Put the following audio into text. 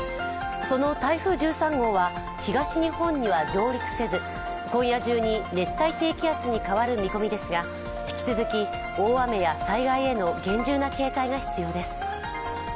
その台風１３号は東日本には上陸せず、今夜中に熱帯低気圧に変わる見込みですが引き続き大雨や災害への厳重な警戒が必要です。